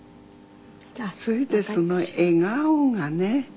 それでその笑顔がね